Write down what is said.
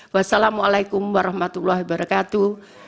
wassalamu alaikum warahmatullahi wabarakatuh